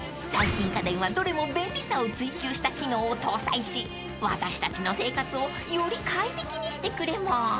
［最新家電はどれも便利さを追求した機能を搭載し私たちの生活をより快適にしてくれます］